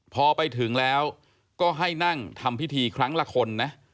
พอไปถึงแล้วก็ให้นั่งทำพิธีครั้งละคนนะ